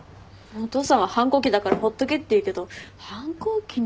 お父さんは反抗期だからほっとけって言うけど反抗期にしては。